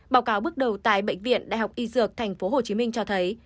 báo cáo bước đầu tại bệnh viện đại học y dược tp hcm cho thấy